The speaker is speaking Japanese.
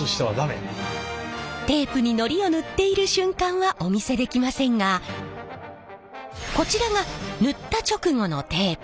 テープにのりを塗っている瞬間はお見せできませんがこちらが塗った直後のテープ。